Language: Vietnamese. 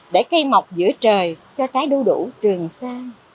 để cây mọc giữa trời cho trái đu đủ trường xa